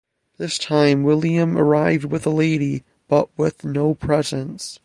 This time William arrived with a lady, but with no presents.